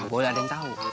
boleh ada yang tau